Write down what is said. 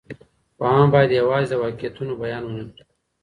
پوهان بايد يوازې د واقعيتونو بيان ونه کړي.